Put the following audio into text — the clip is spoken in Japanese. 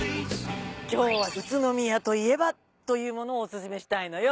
今日は宇都宮といえばという物をお薦めしたいのよ。